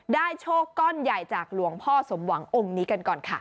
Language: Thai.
โชคก้อนใหญ่จากหลวงพ่อสมหวังองค์นี้กันก่อนค่ะ